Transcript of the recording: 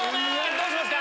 どうしますか？